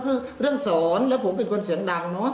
คือเรื่องสอนแล้วผมเป็นคนเสียงดังเนอะ